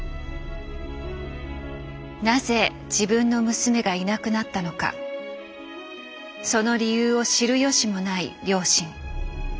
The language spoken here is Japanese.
なぜ自分の娘がいなくなったのかその理由を知る由もない両親。